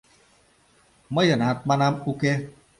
— Мыйынат, манам, уке...